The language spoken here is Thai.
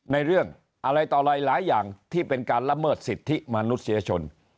ในเรื่องอะไรต่ออะไรหลายอย่างที่เป็นการละเมิดสิทธิมนุษยชน